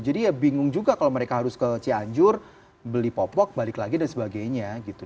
jadi ya bingung juga kalau mereka harus ke cianjur beli popok balik lagi dan sebagainya gitu